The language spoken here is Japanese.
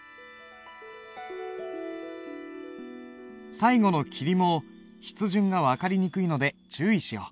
最後の「霧」も筆順が分かりにくいので注意しよう。